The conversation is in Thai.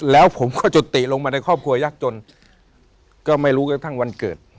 แล้วผมก็จุติลงมาในครอบครัวยากจนก็ไม่รู้กระทั่งวันเกิด